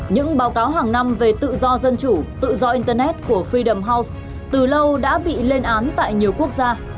những báo cáo hàng năm về tự do dân chủ tự do internet của fredam house từ lâu đã bị lên án tại nhiều quốc gia